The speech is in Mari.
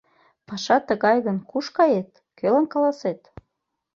Паша тыгай гын, куш кает, кӧлан каласет?